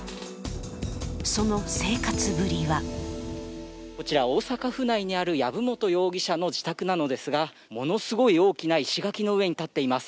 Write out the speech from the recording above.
その生活ぶりはこちら、大阪府内にある籔本容疑者の自宅なのですが、ものすごい大きな石垣の上に建っています。